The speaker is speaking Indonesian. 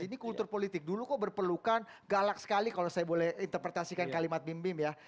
ini kultur politik dulu kok berpelukan galak sekali kalau saya boleh interpretasikan kalimat bim bim ya